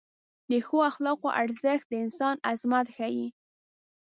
د ښو اخلاقو ارزښت د انسان عظمت ښیي.